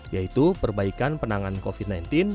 yaitu perbaikan penanganan covid sembilan belas